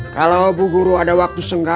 kalau bu guru ada waktu senggang